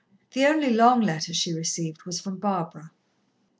The only long letter she received was from Barbara.